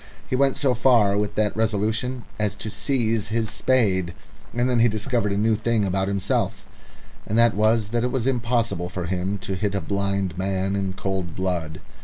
He went so far with that resolution as to seize his spade, and then he discovered a new thing about himself, and that was that it was impossible for him to hit a blind man in cold blood.